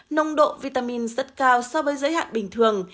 nông độ vitamin rất cao so với giới hạn bình thường